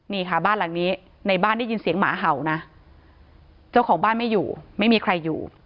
นี่ค่ะบ้านหลังนี้ในบ้านได้ยินเสียงหมาเห่านะเจ้าของบ้านไม่อยู่ไม่มีใครอยู่